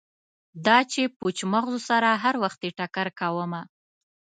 دا چې پوچ مغزو سره هروختې ټکر کومه